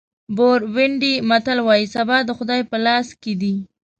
بورونډي متل وایي سبا د خدای په لاس کې دی.